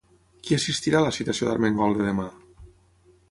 Qui assistirà a la citació d'Armengol de demà?